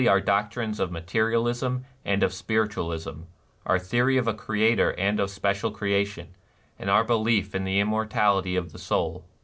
NIRVANA 265 our doctrines of materialism and of spiritual ism, our theory of a Creator and of special creation, and our belief in tlie immortality of the soul.